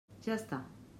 Ja està!